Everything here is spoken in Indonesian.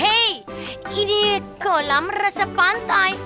hei ini kolam resep pantai